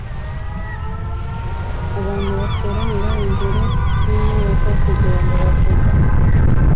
abantu bateranira imbere yinyubako kugirango bavuge